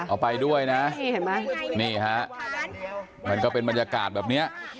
เอาไปด้วยนะนี่เห็นไหมนี่ฮะมันก็เป็นบรรยากาศแบบนี้